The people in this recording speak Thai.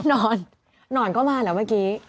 นอนนอนก็มาแล้วเมื่อกี้